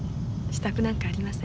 支度なんかありません。